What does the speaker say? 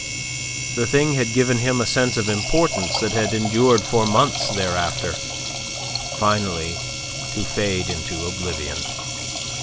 The thing had given him a sense of importance that had endured for months thereafter, finally to fade into oblivion.